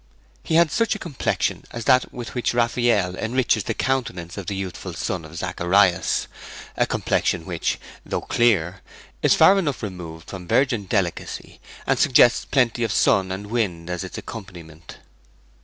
He had such a complexion as that with which Raffaelle enriches the countenance of the youthful son of Zacharias, a complexion which, though clear, is far enough removed from virgin delicacy, and suggests plenty of sun and wind as its accompaniment.